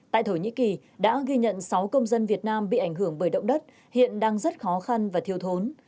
tại thổ nhĩ kỳ đã ghi nhận sáu công dân việt nam bị ảnh hưởng bởi động đất hiện đang rất khó khăn và thiếu thốn